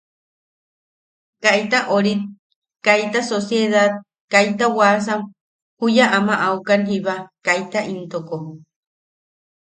Kaita ori kaita sociedad kaita wasam juya ama aukan jiba kaita intoko.